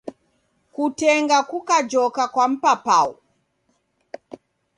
Kuteng'a kukajoka kwa mpapau